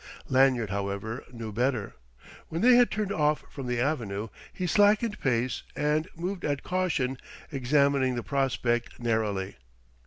Lanyard, however, knew better. When they had turned off from the avenue, he slackened pace and moved at caution, examining the prospect narrowly.